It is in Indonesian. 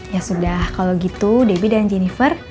ya sudah kalau gitu debbie dan jennifer